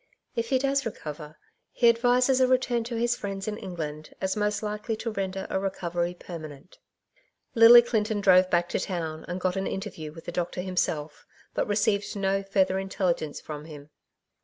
If lie does recover, he advises a return to his friends in England as most likely to render a recovery permanent/' Lily Clinton drove back to town and got an in terview with the doctor himself, but ^received no further intelligence from him.